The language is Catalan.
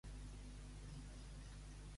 Porta la creu, que et portarà a Déu.